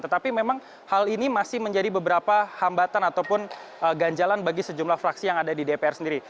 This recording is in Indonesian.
tetapi memang hal ini masih menjadi beberapa hambatan ataupun ganjalan bagi sejumlah fraksi yang ada di dpr sendiri